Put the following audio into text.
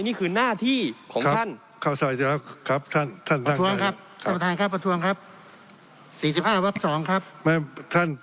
นี่คือหน้าที่ของท่าน